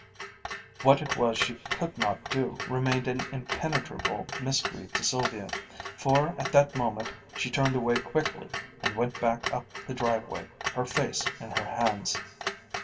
_" What it was she could not do, remained an impenetrable mystery to Sylvia, for at that moment she turned away quickly, and went back up the driveway, her face in her hands.